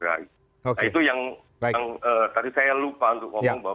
nah itu yang tadi saya lupa untuk ngomong bahwa